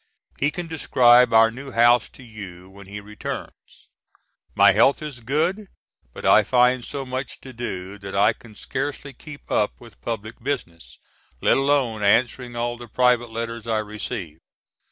He can describe our new house to you when he returns. My health is good but I find so much to do that I can scarcely keep up with public business, let alone answering all the private letters I receive.